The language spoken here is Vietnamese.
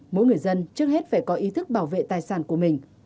mỗi người dân trước hết phải có ý thức bảo vệ tài sản của mình